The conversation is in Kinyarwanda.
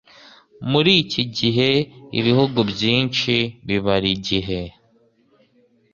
Muri ikigihe, ibihugu byinshi bibara igihe